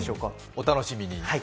お楽しみに。